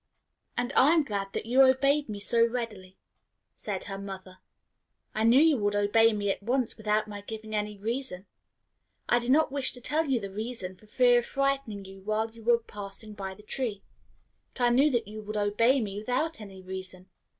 "And I am glad that you obeyed me so readily," said her mother. "I knew you would obey me at once, without my giving any reason. I did not wish to tell you the reason, for fear of frightening you while you were passing by the tree. But I knew that you would obey me without any reason.